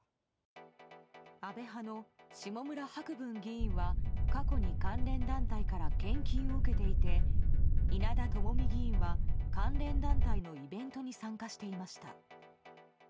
安倍派の下村博文議員は過去に関連団体から献金を受けていて稲田朋美議員は関連団体のイベントに参加していました。